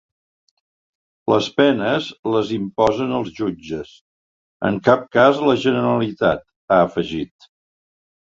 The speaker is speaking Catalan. Les penes les imposen els jutges, en cap cas la Generalitat, ha afegit.